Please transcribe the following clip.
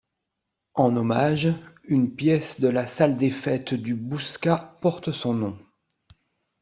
En hommage, une pièce de la salle des fêtes du Bouscat porte son nom.